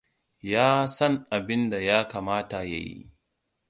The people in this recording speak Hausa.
Ya san abin da ya kamata ya yi.